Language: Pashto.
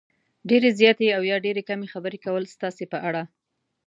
ډېرې زیاتې او یا ډېرې کمې خبرې کول ستاسې په اړه